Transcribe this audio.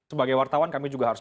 sebagai wartawan kami juga harus